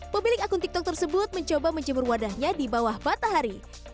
pemilik akun tiktok tersebut mencoba menjemur wadahnya di bawah matahari